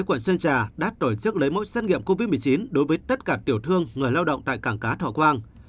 quận sơn trà đã tổ chức lấy mẫu xét nghiệm covid một mươi chín đối với tất cả tiểu thương người lao động tại cảng cá thọ quang